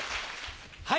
はい！